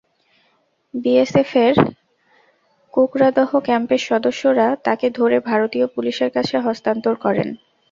বিএসএফের কুকরাদহ ক্যাম্পের সদস্যরা তাঁকে ধরে ভারতীয় পুলিশের কাছে হস্তান্তর করেন।